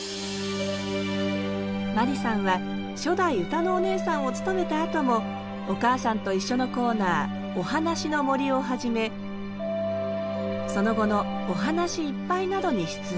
眞理さんは初代歌のお姉さんを務めたあとも「おかあさんといっしょ」のコーナー「おはなしのもり」をはじめその後の「おはなしいっぱい」などに出演。